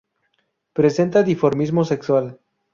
Presenta dimorfismo sexual.